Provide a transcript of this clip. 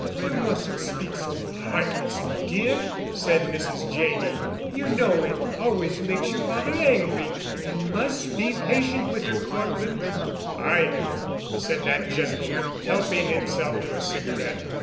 "You mustn't speak so heartlessly, dear," said Mrs. Janney. "You know it always makes your father angry. You must be patient with her, Cortland." "I am," said that gentleman, helping himself to a cigarette.